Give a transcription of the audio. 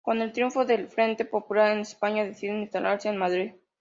Con el triunfo del Frente Popular en España, deciden instalarse en Madrid.